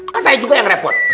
kan saya juga yang repot